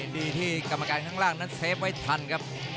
ดีที่กรรมการข้างล่างนั้นเซฟไว้ทันครับ